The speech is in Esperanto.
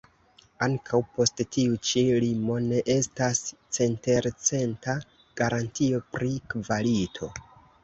Ankaŭ post tiu ĉi limo ne estas centelcenta garantio pri kvalito.